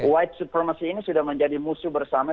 white supremacy ini sudah menjadi musuh bersama